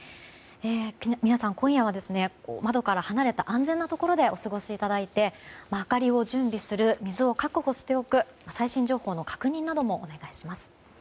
皆さん、今夜は窓から離れた安全なところでお過ごしいただいて明かりを準備する水を確保しておく最新情報の確認などもお願いします。